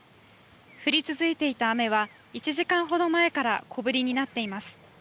降り続いていた雨は１時間ほど前から小降りになっています。